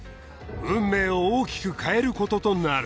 運命を大きく変える事となる